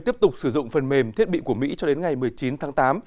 tiếp tục sử dụng phần mềm thiết bị của mỹ cho đến ngày một mươi chín tháng tám